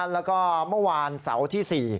แล้วก็เมื่อวานเสาร์ที่๔